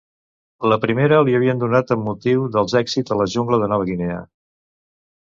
La primera li havien donat amb motiu dels èxits a la jungla de Nova Guinea.